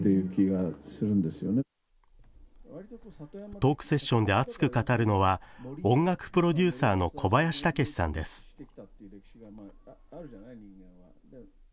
トークセッションで熱く語るのは音楽プロデューサーの小林武史さんです。